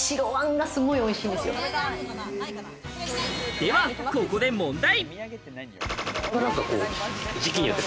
ではここで問題。